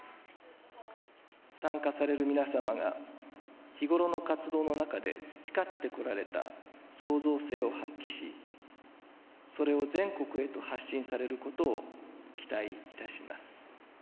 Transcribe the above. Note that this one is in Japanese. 参加される皆様が、日頃の活動の中で培ってこられた創造性を発揮し、それを全国へと発信されることを期待いたします。